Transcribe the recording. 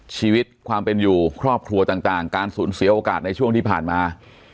ชีวิตความเป็นอยู่ครอบครัวต่างการสูญเสียโอกาสในช่วงที่ผ่านมา